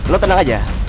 lo tenang aja